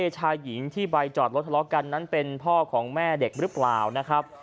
ชายหญิงที่ไปจอดรถทะเลาะกันนั้นเป็นพ่อของแม่เด็กหรือเปล่านะครับ